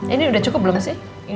ini sudah cukup belum sih